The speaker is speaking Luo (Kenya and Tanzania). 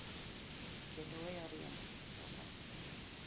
kendo weyo riembo mtoka.